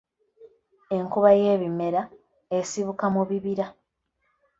"Enkuba y'ebimera, esibuka mu bibira."